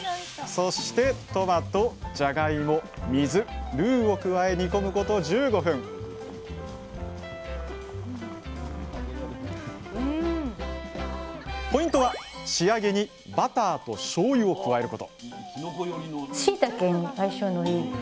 そしてトマトじゃがいも水ルーを加え煮込むこと１５分ポイントは仕上げにバターとしょうゆを加えること！